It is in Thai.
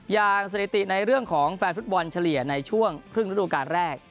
สถิติในเรื่องของแฟนฟุตบอลเฉลี่ยในช่วงครึ่งฤดูการแรก